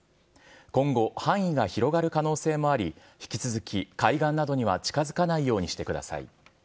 今後、範囲が広がる可能性もあり、引き続き海岸などには近づかないようにしてください。